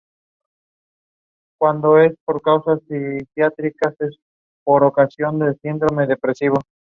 Buena chica.